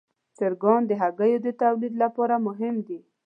چرګان د هګیو د تولید لپاره مهم دي.